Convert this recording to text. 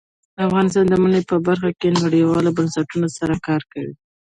افغانستان د منی په برخه کې نړیوالو بنسټونو سره کار کوي.